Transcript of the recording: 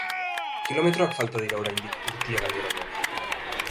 Kilometroak falta dira oraindik Urtiagaineraino.